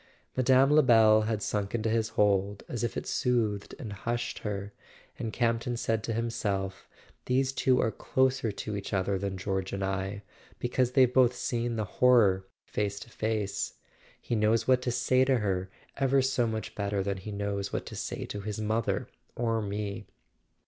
Mme. Lebel had sunk into his hold as if it soothed and hushed her; and Campton said to himself: "These two are closer to each other than George and I, because they've both seen the horror face to face. He knows what to say to her ever so much better than he knows what to say to his mother or me."